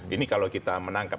ini kalau kita menangkap